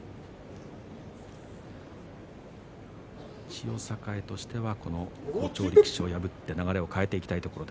千代栄としては好調力士を破って流れを変えたいところ。